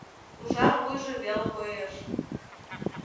Ужар вуйжо веле коеш.